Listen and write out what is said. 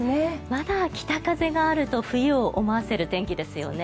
まだ北風があると冬を思わせる天気ですよね。